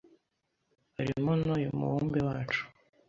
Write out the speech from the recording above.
harimo n’uyu mubumbe wacu,